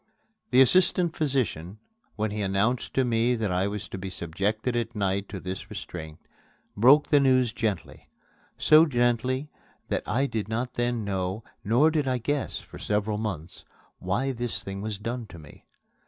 The assistant physician, when he announced to me that I was to be subjected at night to this restraint, broke the news gently so gently that I did not then know, nor did I guess for several months, why this thing was done to me.